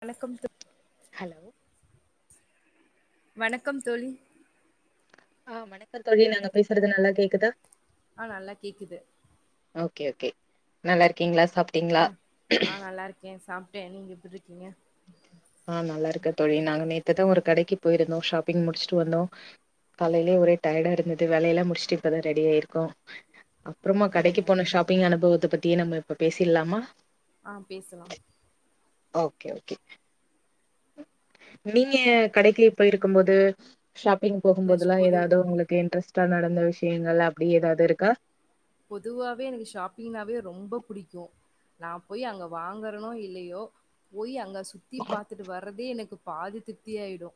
வணக்கம் தோ ஹலோ வணக்கம் தோழி ஆ வணக்கம் தோழி நாங்க பேசறது நல்லா கேக்குதா ஆ நல்லா கேக்குது ஓகே ஓகே நல்லா இருக்கீங்களா சாப்ட்டீங்களா ஆ ஆ நல்லா இருக்கே சாப் நீங்க எப்படி இருக்கீங்க அதா ஒரு கடைக்கு போயிருந்தோ ஷாப்பிங் முடிச்சுட்டு வந்தோ காலையிலயே ஒரே டயர்டா இருந்தது வேலையெல்லா முடிச்சுட்டு இப்பதா ரெடி ஆயிருக்கோ அப்புறமா கடைக்கு அப்டியா போன ஷாப்பிங் அனுபவோ இத பத்தி நம்ம இப்ப பேசிடலாமா ஆ பேசலா ஓகே ஓகே நீங்க கடைக்கு போயிருக்கும்போது ஷாப்பிங் இந்த போகும்போதுலா பொது ஏதாவது உளுக்கு இன்ட்ரஸ்ட் சா நடந்த விஷயங்கள் அப்படி ஏதாவது இருக்கா பொதுவாவே எனக்கு ஷாப்பிங்னாவே ரொம்ப புடிக்கு நா போய் அங்க வாங்கறேனோ இல்லையோ போய் அங்க சுத்தி பார்த்துட்டு வர்றதே எனக்கு பாதி திருப்தியாயிடு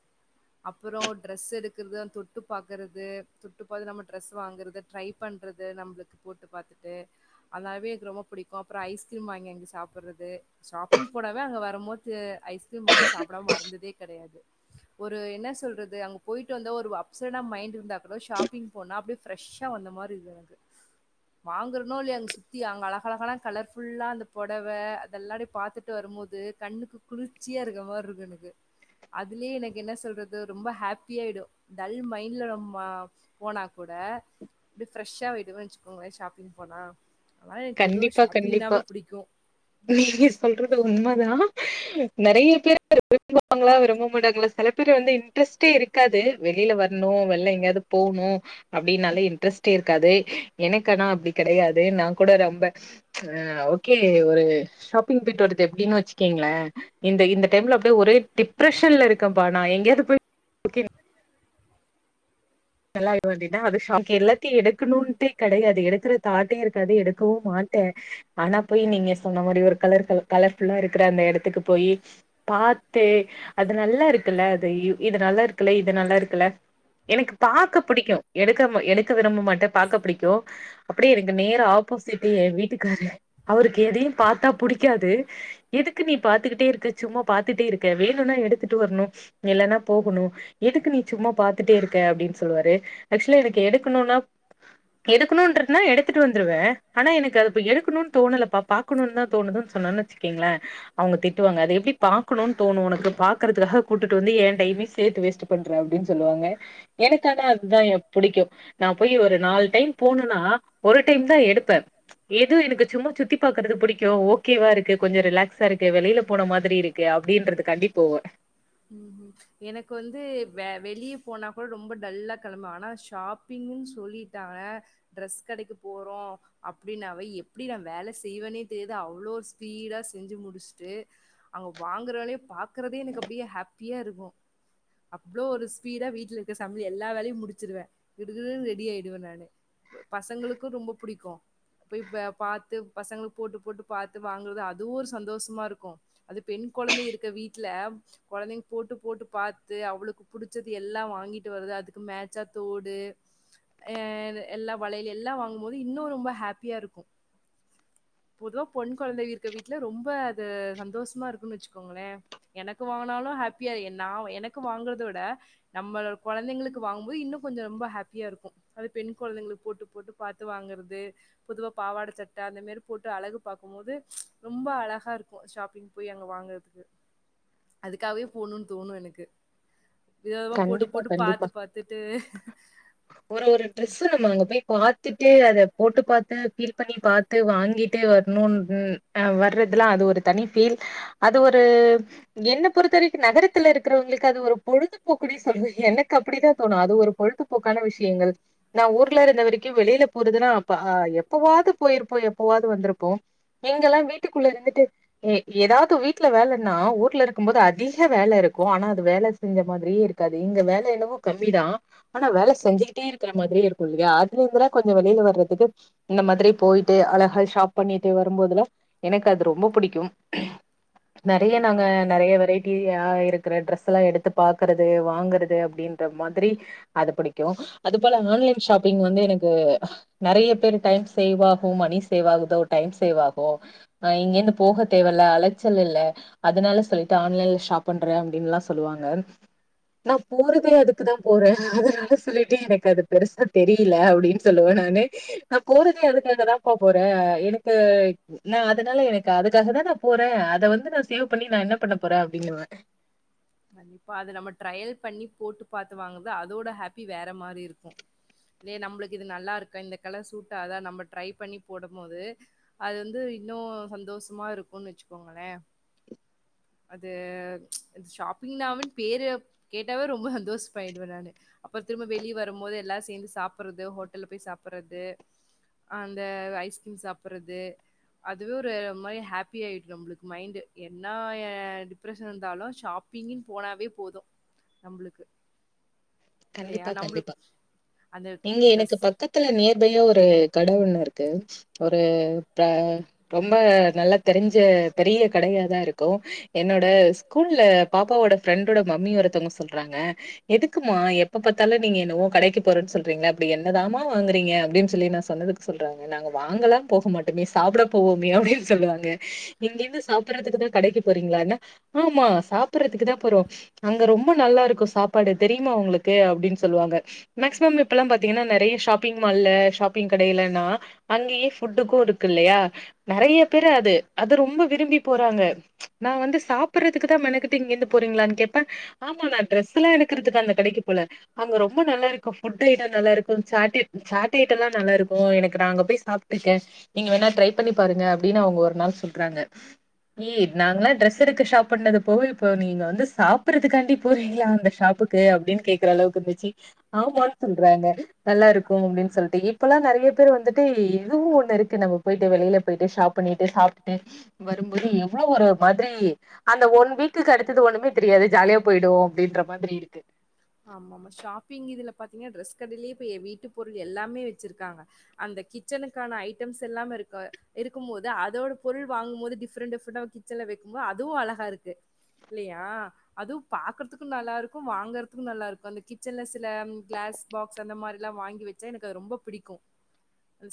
அப்புறோ ட்ரெஸ் எடுக்கறிறது தொட்டு பார்க்கறது தொட்டு பாத்து நம்ம ட்ரெஸ் வாங்குறது ட்ரை பண்றது நம்மளுக்கு போட்டு பார்த்துட்டு அதனாலே எனக்கு ரொம்ப பிடிக்கு அப்புறோ ஐஸ்கிரீம் வாங்கி எங்கே சாப்பிடுறது ஷாப்பிங் போனாவே அங்க வரும்போது ஐஸ் க்ரீம் வாங்கி சாப்பிடாம வந்ததே கிடையாது ஒரு என்ன சொல்றது அங்க போயிட்டு வந்தா ஒரு அப்சடா மைண்ட் இருந்தா கூடா ஷாப்பிங் போனா அப்படியே ஃப்ரெஷ்ஷா வந்த மாதிரி இது எனக்கு வாங்கறனோ இல்லையோ அங்க சுத்தி அங்க அழக அழகல்லா கலர்ஃபுல்லா அந்த புடவை அதெல்லாடிே பாாரத்துட்டு வரு போது கண்ணுக்கு குளிர்ச்சியா இருக்க மாதிரி இருக்கு எனக்கு அதுலயே எனக்கு என்ன சொல்றது ரொம்ப ஹாப்பியாகிடு டல் மைண்ட்ல நம்ம போனா கூட அப்டி ஃப்ரெஷ்ஷா [unintelligible] உங்க ஷாப்பிங் போனா அதனால எனக்கு பொதுவா கண்டிப்பா கண்டிப்பா ஷாப்பிங்னாவே புடிக்கு நீ சொல்றது உண்மதா நிறைய பேர் விரும்புவாங்களா விரும்ப மாட்டாங்களா சில பேர் வந்து இன்ட்ரெஸ்ட்டே இருக்காது வெளியில வரணு வெளில எங்கேயாவது போகணு அப்படின்னால இன்ட்ரெஸ்ட்டே இருக்காது எனக்குனா அப்படி கிடையாது நாங் கூட ரொம்ப அ ஓகே ஒரு ஷாப்பிங் பெய்ட் வரது எப்டினு வச்சுக்கீங்களே இந்த இந்த டைம்ல அப்படியே ஒரே டிப்ரெஷன்ல இருக்கே பா நா எங்கயாவது போய் செல வந்தீனா அது ஷாக்கே இல்ல தி எடுக்கணும்டே கெடையாது எடு தாட்டே இருக்காது எடுக்கவு மாட்டே ஆனா போய் நீங்க சொன்ன மாதிரி ஒரு கலர் கலர்ஃபுல்லா இருக்கிற அந்த இடத்துக்கு போய் பார்த்து அது நல்லா இருக்குல்ல அது இது நல்லா இருக்குல்ல இது நல்லா இருக்குல்ல எனக்கு பாக்க பிடிக்கு எடுக்க எடுக்க விரும்ப மாட்டே பார்க்க பிடிக்கும் அப்படியே எனக்கு நேர் ஆப்போசிட்டு் என் வீட்டுக்காரு அவருக்கு எதையும் பார்த்தா புடிக்காது எதுக்கு நீ பாரத்துக்கிட்டே இருக்க சும்மா பாரத்துட்டே இருக்க வேணும்னா எடுத்துட்டு வரணு இல்லைன்னா போகணு எதுக்கு நீ சும்மா பார்த்துட்டே இருக்க அப்டின்னு சொல்லுவாரு ஆக்சுவலா எனக்கு எடுக்கணும்னா எடுக் எடுக்கனனு இருக்னா எடுத்துட்டு வந்துருவே ஆனா எனக்கு அத எடுக்கணும்னு தோணலப்பா பாக்கனும் தா தோணுதுன்னு சொன்னன்வச் ங்களா அவங்க திட்டுவாங்க அது எப்படி பார்க்கணும்னு தோணு உனக்கு பாக்குறதுக்காக கூட்டிட்டு வந்து எ டைம்மயு சேர்த்து வேஸ்ட் பண்ற அப்படின்னு சொல்லுவாங்க எனக்கனா அதுதா புடிக்கும் நான் போய் ஒரு நாலு டைம் போனும்னா ஒரு டைம் தா எடுப்பே ஏது எனக்கு சும்மா சுத்தி பாரக்குறது பிடிக்கு ஓகேவா இருக்கு கொஞ்சோ ரிலாக்ஸா இருக்கு வெளியில போன மாதிரி இருக்கு அப்படின்றதுகான்டி போவே எனக்கு வந்து வ வெளிய போனா கூட ரொம்ப டல்லா கிளம்ப ஆனா ஷாப்பிங்ன்னு சொல்லிட்டாங்க ட்ரெஸ் கடைக்கு போறோ அப்படின்னாவே எப்படி தா வேலை செய்வேனே தெரியுது அவ்வளோ ஸ்பீடா செஞ்சு முடிச்சுட்டு அங்க வாங்கறவாலே பாக்குறதே எனக்கு அப்படியே ஹாப்பியா இருக்கு அவ்வளோ ஒரு ஸ்பீடா வீட்டுல இருக்க சமையல் எல்லா வேலையு முடிச்சிருவே கிடுகிடுன்னு ரெடி ஆயிடுவே நானு பசங்களுக்கு ரொம்ப பிடிக்கும் போய் ப பார்த்து பசங்களுக்கு போட்டு போட்டு பார்த்து வாங்கறது அதுவு ஒரு சந்தோஷமா இருக்கு அது பெண் கொழந்தை இருக்குர வீட்டுல கொழந்தைங்க போட்டு போட்டு பார்த்து அவளுக்கு புடிச்சது எல்லா வாங்கிட்டு வருது அதுக்கு மேட்சா தோடு எ எல்லா வளையல் எல்லா வாங்கு போது இன்னு ரொம்ப ஹாப்பியா இருக்கு பொதுவா பொண் குழந்தை இருக்க வீட்டுல ரொம்ப அது சந்தோஷமா இருக்குன்னு வச்சுக்கோங்களே எனக்கு போனாலு ஹாப்பியா இன்ன ந எனக்கு வாங்குறதவிட நம்ம கொழந்தைங்களுக்கு வாங்கும்போது இன்னு கொஞ்ச ரொம்ப ஹாப்பியா இருக்கும் அ பெண் கொழந்தைங்களுக்கு போட்டு போட்டு பாத்து வாங்குறது பொதுவா பாவாட சட்டை அந்த மாரி போட்டு அழகு பாகு போது ரொம்ப அழகா இருக்கு ஷாப்பிங் போய் அங்க வாங்கறதுக்கு அதுக்காகவே போணுன் தோணு எனக்கு விதவிதமா போட்டு கண்டிப்பா போட்டு கண்டிப்பா பாத்து பாத்துட்டு ஒரு ஒரு ட்ரெஸ்ஸு நம்ம அங்க போய் பாத்துட் டு அத போட்டு பாத்து பீல் பண்ணி பாத்து வாங்கிட்டு வரணும் ஆ வர்றதுல்லா அது ஒரு தனி பீல் அது ஒரு என்ன பொறுத்தவரைக்கு நகரத்துல இருக்கிறவங்களுக்கு அது ஒரு பொழுது இப்ப குடே சொல்ற எனக்கு அப்டிதா தோணு அது ஒரு பொழுதுபோக்கான விஷயங்கள் நா ஊர்ல இருந்த வரைக்கு வெளில போறதுன்னா அப்ப எப்பவாது போயிருப்போ எப்பவாது வந்திருப்போ இங்கல்லா வீட்டுக்குள்ள இருந்துட்டு ஏதாவுது வீட்டுல வேலைன்னா ஊர்ல இருக்கு போது அதிக வேலை இருக்கு ஆனா அது வேலை செஞ்ச மாதுரியே இருக்காது இங்க வேலை என்னமோ கம்மிதா ஆனா வேலை செஞ்சுட்டே இருக்கிற மாதிரியே இருக்கு இல்லயா அதுல இருந்துலா கொஞ்ச வெளில வர்றதுக்கு இந்த மாதிரி போயிட்டு அழகா ஷாப் பண்ணிட்டு வரும்போதுல எனக்கு அது ரொம்ப புடிக்கும் நெறைய நாங்க கண்டிப்பா நெறைய வெரைட்டி ஆ இருக்ர டிரெஸ் எல்லா எடுத் பாக்குறது வாங்கறது அப்டின்ற மாதிரி அது புடிக்கும் அதுபோல ஆன்லைன் ஷாப்பிங் வந்து எனக்கு நெறைய பேர் டைம் சேவ் ஆகும் மணி சேவ் ஆகுதோ டைம் சேவ் ஆகும் ஹ இங்கேந்து போக தேவல அலைச்சல் இல்ல அதுனால சொல்லிட்டு ஆன்லைன்ல ஷாப் பண்றே அப்டின்லா சொல்லுவாங்க நா போறதே அதுக்குதா போறே அதுனால சொல்லிட்டு எனக்கு அது பெருசா தெரியல அப்டின்னு சொல்லுவே நானு நா போறது அதுக்கா தாப்பா போறே எனக்கு நா அதுனால எனக்கு அதுக்காக தா நா போறே அத வந்து நா சேவ் பண்ணி நா என்ன பண்ண போறேன் அப்டின்வே பா அது நம்ம ட்ரயல் பண்ணி போட்டு பாத்து வாங்கறத அதோட ஹாப்பி வேற மாரி இருக்கு இதே நம்மளுக்கு இது நல்லாருக்கா இந்த கலர் சூட் ஆவுதா நம்ம ட்ரை பண்ணி போடும் போது அது வந்து இன்னு சந்தோஷமா இருக்குன்னு வச்சுக்கோங்களே அது ஷாப்பிங்னானு பேரு கேட்டாவே ரொம்ப சந்தோஷ மாயிடுவே நானு அப்ற திரும்ப வெளிய வரும் போது எல்லா சேந்து சாப்புடுறது ஹோட்டல்ல போய் சாப்புறது அந்த ஐஸ்கிரீம் சாப்றது அதுவே ஒரு மாரி ஹாப்பி ஆயிடும் நம்மளுக்கு மைண்டண்டு என்ன டிப்ரெஷன் இருந்தாலு ஷாப்பிங்னு போனாவே போது நம்மளுக்கு இல்லையா? கண்டிப்பா கண்டிப்பா நம்மளுக்கு அந்த இங்க எனக்கு ட்ரெஸ் பக்கத்துல நேர் பைல ஒரு கட ஒன்னு இருக்கு ஒரு ப ரொம்ப நல்லா தெரிஞ்ச பெரிய கடையா தா இருக்கு என்னோட ஸ்கூல்ல பாப்பாவோட ஃப்ரெண்டோட மம்மி ஒருத்தங்க சொல்றாங்க எதுக்குமா எப்ப பத்தாலு நீங்க என்னவோ கடைக்கு போறன்னு சொல்றீங்க அப்டி என்னதாமா வாங்குறீங்க அப்டின்னு சொல்லி நா சொன்னதுக்கு சொல்றாங்க நாங்க வாங்கலா போக மாட்டோமே மிஸ் சாப்புட போவோமே அப்டின்னு சொல்லுவாங்க இங்க இருந்து சாப்பறதுக்குதா கடைக்கு போறீங்களானா ஆமா சாப்பறதுக்கு தா போறோம் அங்க ரொம்ப நல்லா இருக்கும் சாப்பாடு தெரியுமா உங்களுக்கு கு அப்டினு சொல்லு வாங்க மேக்ஸிமம் இப்பல பாத்தீங்கனா நெறயா ஷாப்பிங் மால்ல ஷாப்பிங்கடயிலானா அங்கியே ஃபுட்டுக்கு இருக்கு இல்லயா நெறைய பேரு அது அது ரொம்ப விரும்பி போறாங்க நா வந்து சாப்பறதுக்கு தா மெணக்கெட்டு இங்கந்து போறீங்ளான் கேப்பே ஆமா நா ட்ரெஸ்ல்லா எடுக்குறதுக்கு அந்த கடைக்கு போல அவங்க ரொம்ப நல்ல இரு ஃபுட்டு ஐட்டம் நல்லாருக்கும் சாட் சாட் ஐட்டம் எல்லா நல்லாருக்கு எனக்கு நாங்க போயி சாப்டுருக்கேன் நீங்க வேணா ட்ரை பண்ணி பாருங்க அப்டின்னு அவங்க ஒரு நாள் சொல்றாங்க நாங்களாம் டிரெஸ் எடுக்க ஷாப் பண்ணது போக இப்போ நீங்க வந்து சாப்றதுக்காண்டி போறீங்களா அந்த ஷாப்புக்கு அப்டின்னு கேக் ற அளவுக்கு இருந்துச்சு ஆமான் சொல்றாங்க நல்லாருக்கு அப்டின்னு சொல்லிட்டு இப்பல்லாம் நெறைய நெறய பேர் வந்துட்டு இதுவும் ஒண்ணு இருக்கு நம்ம போயிட்டு வெளில போயிட்டு ஷாப் பண்ணிட்டு சாப்டுட்டு வரும் போது எவ்ளோ ஒரு மாதிரி அந்த ஒன் வீக்குக்கு அடுத்தது ஒண்ணுமே தெரியாது ஜாலியா போயிடும் அப்டின்ற மாதிரி இருக்கு ஆமா ஆமா ஷாப்பிங் இதுல பாத்தீங்கன்னா ட்ரெஸ் கடேலயே போயி வீட்டு பொருள் எல்லாமே வச்சுருக்காங்க அந்த கிச்சனுக்கான ஐட்டம்ஸ் எல்லாமே இருக்க இருக்கும் போது அதோட பொருள் வாங்கும் போது டிஃப்ரெண்ட் டிஃர கிச்சன்ல வைக்கும்போது அதுவு அழகா இருக்கு இல்லயா அதுவு பாக்கறதுக்கு நல்லாருக்கு வாங்கறதுக்கும் நல்லாருக்கு அந்த கிச்சன்ல சில கிளாஸ் பாக்ஸ் அந்த மாதிர எல்லா வாங்கி வச்சா எனக்கு அது ரொம்ப புடிக்கு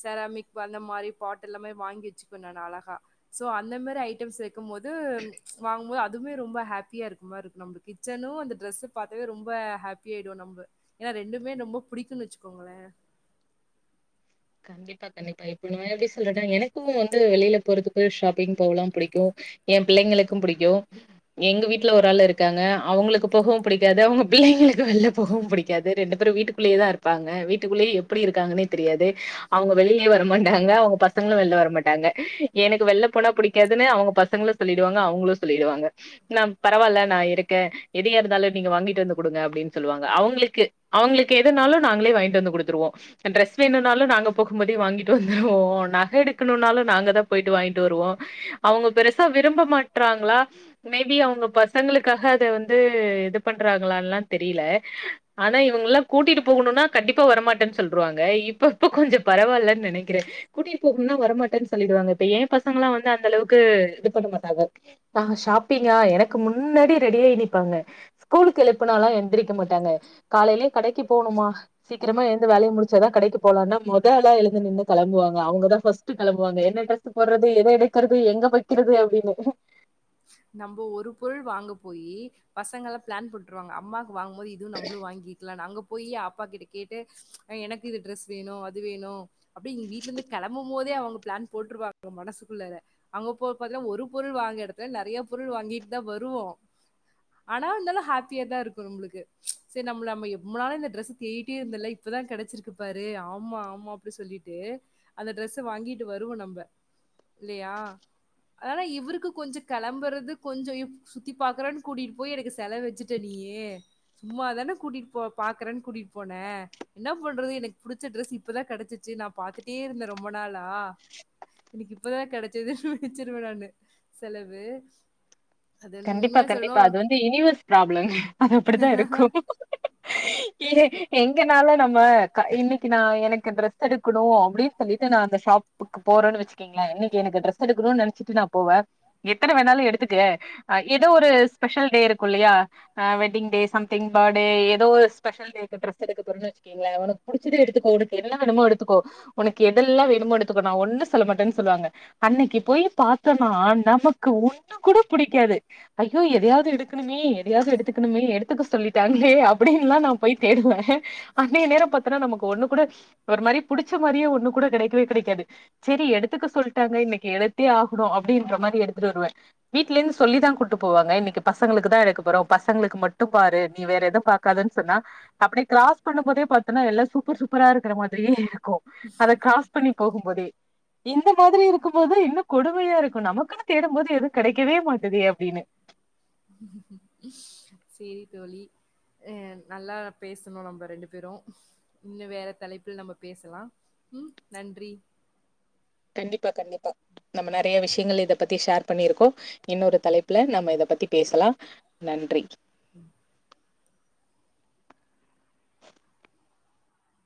செராமிக் அந்த மாதிரி பாட்டல் எல்லா மாரி வாங்கி வச்சுக்க நா அழகா சோ அந்த மாரி ஐட்டம்ஸ் வக்கும் போது வாங்குபோது அதுமே ரொம்ப ஹாப்பியா இருக்கு மார் இருக்கு நம்ம கிச்சனும் அந்த டிரெஸ்ஸு பாத்தவே ரொம்ப ஹாப்பியாடுவோம் நம்ம ஏன்னா ரெண்டுமே ரொம்ப புடிக்குன் வச்சுக்கோங்களே கண்டிப்பா கண்டிப்பா இப்ப நா எப்டி சொல்றேனா எனக்கு வந்து வெளில போறதுக்கு ஷாப்பிங் போவலா புடிக்குமா ஏ பிள்ளைங்களுக்கு புடிக்கும் எங்க வீட்ல ஒரு ஆள் இருக்காங்க அவங்களுக்கு போகவும் புடிக்காது அவங்க பிள்ளைங்க வெளில போகவும் புடிக்காது ரெண்டு பேரும் வீட்டுக்குள்ளே தா இருப்பாங்க வீட்டுக்குள்ளே எப்டி இருக்காங்கன்னே தெரியாது அவங்க வெளியிலே வர மாடாங்க அவங்க பசங்களு வெளில வர மாட்டாங்க எனக்கு வெளில போனா பிடிக்காதுன்னு அவங்க பசங்களு சொல்லிடுவாங்க அவங்களு சொல்லிடுவாங்க நான் பரவாயில்ல நா இருக்கே எது கெடந்தாலு நீங்க வாங்கிட்டு வந்து குடுங்க அப்டின்னு சொல்லுவாங்க அவங்களுக் அவங்களுக்கு எதுனாலும் நாங்களே வாங்கிட்டு வந்து குடுத்துருவோ டிரஸ் வேணுன்ன நாலு நாங்க போகும்போதே வாங்கிட்டு வந்துருவோ நக எடுக்கணு நாலு நாங்க தான் போயிட்டு வாங்கிட்டு வருவோ அவங்க பெருச சா விரும்ப மாட்டறாங்களா மேபி அவங்க பசங்களுக்காக அத வந்து இது பண்றாங்களால்லாம் தெரியல ஆனா இவங்க எல்லா கூட்டிட்டு போகணும்னா கண்டிப்பா வரமாட்டேன் சொல்ருவாங்க இப்ப இப்ப கொஞ்ச பரவால்லன் நெனைக்கிறே கூட்டி போகுன்னா வரமாட்டேன்னு சொல்லிடுவாங்க இப்ப ஏ பசங்கல்லா வந்து அந்த அளவுக்கு இது பண்ண மாட்டாங்க நாங்க ஆ ஷாப்பிங்கா எனக்கு முன்னாடி ரெடியாய் நிப்பாங்க ஸ்கூல் எழுப்புனாலா எந்திரிக்க மாட்டாங்க காலேலயே கடைக்கு போணுமா சீக்கிரமா எந்து வேலைய முடிச்சாதா கடைக்கு மெத ஆளா எழுந்து நின்னு கெளம்புவாங்க அவங்காத பஸ்டு கெளம்புவா என்ன ட்ரஸ் போட்ற அது எத எடுக்கிறது எங்க வைக்கிறது அப்டின்னு நம்ம ஒரு பொருள் வாங்க போய் பசங்க பிளான் போட்டுருவாங்க அம்மா வாங்கு போதுவு இது நம்மளு வாங்கிக்கலா நாங்க போய் அப்பா கிட்ட கேட்டு எனக்கு இது ட்ரெஸ் வேணு அது வேணு அப்டி இங்க வீட்டுல இருந்து கிளம்பு போதே அவங் பிளான் போட்டுருவாங்க மனசுக்குள்ள அங்க போகு போது ஒரு பொருள் வாங்க எடத்த நறைய பொரு வாங்கிட்டு தா வருவோ ஆனா இருந்தாலு ஹாப்பியா தா இருக்கு நம்மளுக்கு சரி நம்ம நம்ம எவ்ளாலா இந்த டெஸ் தேடிட்டே இருந்தல இப்பதா கெடைச்சிருக்கு பாாரு ஆமா ஆமா அப்படி சொல்லிட்டு அந்த ட்ரெஸ் வாங்கிட்டு வருவோ நம்ம இல்லையா அதனால இவருக்கு கொஞ்ச கெளம்புறது கொஞ்சம் சுத்தி பாக்குறன்னு கூட்டிகிட்டு போய் எனக்கு செல வச்சுட்டே நீயு சும்மாாதானே கூட்டிட்டு போ பாக்குறனுகூட்டிட்டு போனே என்ன பண்றது எனக்கு புடிச்ச ட்ரெஸ் இப்பதா கெடைச்சிச்சு நா பாாரத்துட்டே இருந்தே ரொம்ப நாளா எனக்கு இப்பதா கிடைச்சது வச்சிருவே நானு செல து கண்டிப்பா கண்டிப்பா அது வந்து யூனிவர்ஸ் ப்ராப்ளம் அது அப்படித்தா இருக்கு ஏங்க எங்கனால நம்ம இன்னைக்கு நா எனக்கு ட்ரெஸ் எடுக்கணு அப்படின்னு சொல்லிட்டு நா அந்த ஷாப்புக்கு போறேன்னு வச்சுக்கீங்களே இன்னைக்கு எனக்கு ட்ரெஸ் எடுக்கணும்னு நினைச்சிட்டு நா போவே எத்தன வேணாலு எடுத்துக்க அ ஏதோ ஒரு ஸ்பெஷல் டே இருக்கு இல்லையா wedding day some thing birthday ஏதோ ஒரு ஸ்பெஷல் டேக்கு ட்ரெஸ் எடுக்கன்னு வச்சுக்கீங்களே உனக்கு புடிச்சத எடுத்துக்கோ உனக்கு என்ன வேணுமோ எடுத்துக்கோ உனக்கு எதெல்லா வேணுமோ எடுத்துக்கோ நா ஒண்ணு சொல்ல மாட்டேன்னு சொல்லுவாங்க அன்னைக்கு போய் பாார்த்தோனா நமக்கு ஒண்ணு கூட பிடிக்காது ஐயோ எதையாவது எடுக்கணுமே எதயாது எடுத்துக்கணுமே எடுத்துக்க சொல்லிட் ஏ அப்படின்ல்லா நா போயிட்டு தேடுவ அன்னைய நேரோ பாத்தன்னா நமக்கு ஒண்ணு கூட ஒரு மாதிரி புடிச்ச மாதிரியே ஒண்ணு கூட கிடைக்கவே கிடைக்காது சரி எடுத்துக்க சொல்லிட்டாங்க இன்னைக்கு எடுத்தே ஆகணு அப்படின்ற மாதிரி எடுத்துட்டு வருவே வீட்ல இருந்து சொல்லிதா கூட்டு போவாங்கன்னைக்கு பஸ் பசங்களுக்கு தா எடுக்க போறோ பசங்களுக்கு மட்டும் பாரு நீ வேற எதவு பாக்கதுன்னு சொன்னா அப்படியே கிராஸ் பண்ணு போதே பாரத்தோன்னா எல்லாம் சூப்பர் சூப்பரா இருக்கிற மாதிரியே இருக்கு அத கிராஸ் பண்ணி போகும் போதே இந்த மாதிரி இருக்கு போது இன்னும் கொடுமையா இருக்கும் நமக்குன்னு தேடும் போது எது கிடைக்கவே மாட்டது தினு சரி தோழி அ நல்லா பேசுணோ நம்ம ரெண்டு பேரு இன்னு வேற தலைப்பபில் நம்ம பேசலா ம் நன்றி கண்டிப்பா கண்டிப்பா நம்ம நிறைய விஷயங்கள் இத பத் பத்தி ஷேர் பண்ணியிருக்கோ இன்னொரு தலைப்புல நம்ம இத பத்தி பேசலா நன்றி ம்